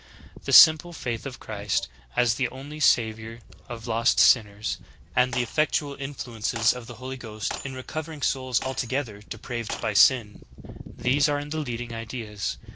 The! simple faith of Christ as the only Savior of lost sinners,j and the effectual influences of the Holy Ghost in recovering\ souls altogether depraved by sin — these are the leading! ideas.